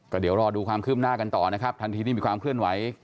ก็เดี๋ยวรอดูความคืบหน้ากันต่อนะครับทันทีที่มีความเคลื่อนไหว